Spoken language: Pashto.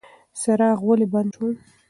څراغ ولې بند شو؟